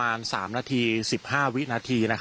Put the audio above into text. และก็คือว่าถึงแม้วันนี้จะพบรอยเท้าเสียแป้งจริงไหม